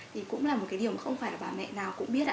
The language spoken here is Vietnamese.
thì cũng là một cái điều mà không phải là bà mẹ nào cũng biết ạ